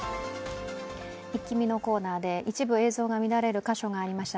イッキ見のコーナーで一部映像が乱れる箇所がありました。